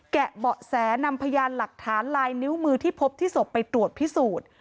เบาะแสนำพยานหลักฐานลายนิ้วมือที่พบที่ศพไปตรวจพิสูจน์